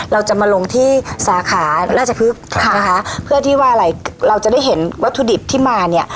เราจะมาลงที่สาขาราชพฤกษ์ค่ะนะคะเพื่อที่ว่าอะไรเราจะได้เห็นวัตถุดิบที่มาเนี่ย